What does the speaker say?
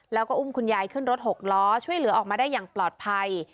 แล้วก็อุ้มคุณยายขึ้นรถหกล้อช่วยเหลือออกมาได้อย่างปลอดภัย